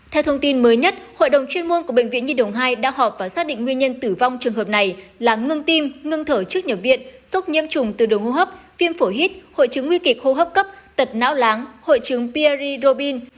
theo thông tin mới nhất hội đồng chuyên môn của bệnh viện nhi đồng hai đã họp và xác định nguyên nhân tử vong trường hợp này là ngưng tim ngưng thở trước nhập viện sốc nhiễm trùng từ đường hô hấp viêm phổi hít hội chứng nguy kịch hô hấp cấp tật não láng hội chứng pier robin